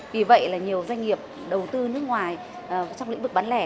vì vậy là nhiều doanh nghiệp đầu tư nước ngoài trong lĩnh vực bán lẻ